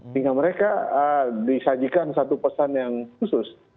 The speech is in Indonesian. sehingga mereka disajikan satu pesan yang khusus